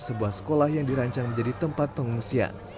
sebuah sekolah yang dirancang menjadi tempat pengungsian